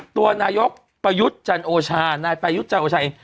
ตัวนายกประยุทธ์จันโอชานายประยุทธ์จันทร์โอชัย